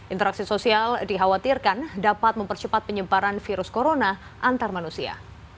interaksi sosial dikhawatirkan dapat mempercepat penyebaran virus corona antar manusia